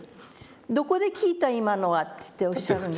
「どこで聞いた今のは？」っておっしゃるんです。